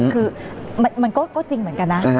คือมันก็จริงเหมือนกันนะ